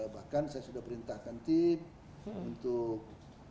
bahkan saya sudah perintahkan tim untuk